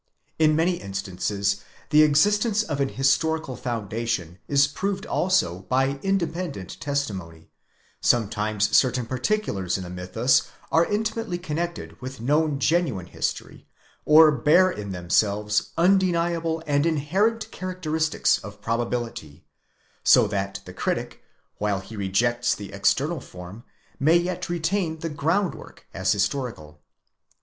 In many instances the existence of an historical foundation is proved also by independent testimony; sometimes certain particulars in the mythus are intimately connected with known genuine history, or bear in themselves undeniable and inherent characteristics of pro bability : so that the critic, while he rejects the external form, may yet retain the groundwork as historical.